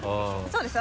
そうです